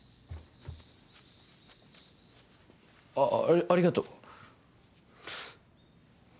あありがとう。